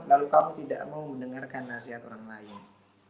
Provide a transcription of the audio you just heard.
lalu kamu tidak mau mendengarkan nasihat orang lain